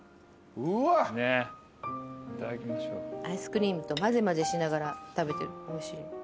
アイスクリームとまぜまぜしながら食べておいしい。